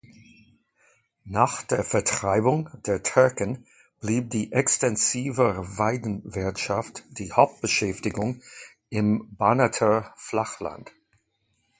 Nach der Vertreibung der Türken blieb die extensive Weidewirtschaft die Hauptbeschäftigung im Banater Flachland.